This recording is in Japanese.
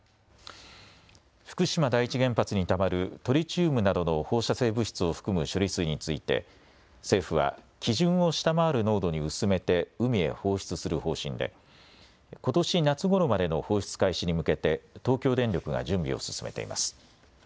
福島第一原発にたまるトリチウムなどの放射性物質を含む処理水について政府は基準を下回る濃度に薄めて海へ放出する方針でことし夏ごろまでの放出開始に向けて東京電力が準備を進めています。